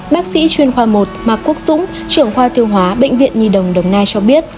bác sĩ chuyên khoa một mạc quốc dũng trưởng khoa tiêu hóa bệnh viện nhi đồng đồng nai cho biết